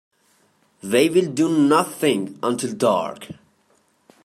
They will do nothing until dark.